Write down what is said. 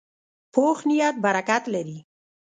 پوخ نیت برکت لري